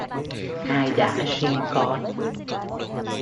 Ai đã sinh con